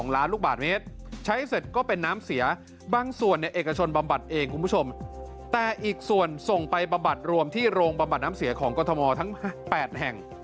ลูกบาทเมตรใช้เสร็จก็เป็นน้ำเสียบางส่วนเนี่ยเอกชนบำบัดเองคุณผู้ชมแต่อีกส่วนส่งไปบำบัดรวมที่โรงบำบัดน้ำเสียของกรทมทั้ง๘แห่ง